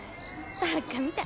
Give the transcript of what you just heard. バッカみたい。